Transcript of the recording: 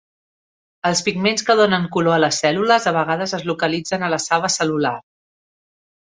Els pigments que donen color a les cèl·lules a vegades es localitzen a la saba cel·lular.